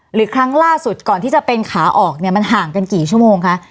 ครั้งล่าสุดก่อนที่จะเป็นขาออกเนี่ยมันห่างกันกี่ชั่วโมงคะ